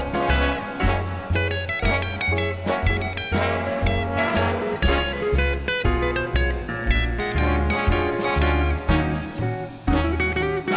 สวัสดีครับสวัสดีครับ